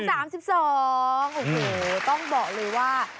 โอ้โหต้องบอกเลยว่า